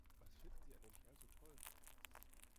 Was findet sie an dem Kerl so toll?